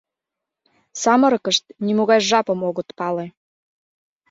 Самырыкышт нимогай жапым огыт пале.